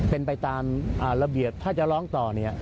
เป็นไปตามระเบียบถ้าจะร้องต่อเนี่ย